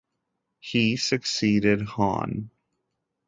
He succeeded Hon.